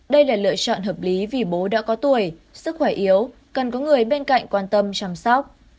đây là lựa chọn hợp lý vì bố đã có tuổi sức khỏe yếu cần có người bên cạnh quan tâm chăm sóc